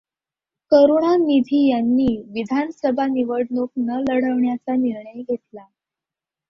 करुणानिधी यांनी विधानसभा निवडणूक न लढवण्याचा निर्णय घेतला.